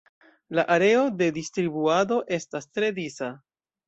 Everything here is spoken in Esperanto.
La areo de distribuado estas tre disa.